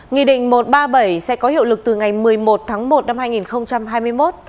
nghị định một trăm ba mươi bảy sẽ có hiệu lực từ ngày một mươi một tháng một năm hai nghìn hai mươi một